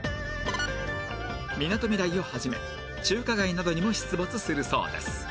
みなとみらいを始め中華街などにも出没するそうです